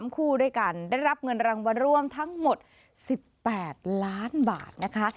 คู่ด้วยกันได้รับเงินรางวัลร่วมทั้งหมด๑๘ล้านบาทนะคะ